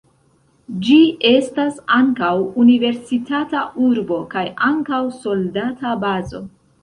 Ĝi estas ankaŭ universitata urbo kaj ankaŭ soldata bazo.